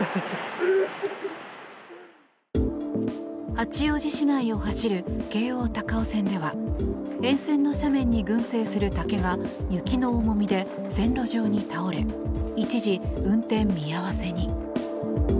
八王子市内を走る京王高尾線では沿線の斜面に群生する竹が雪の重みで線路上に倒れ一時、運転見合わせに。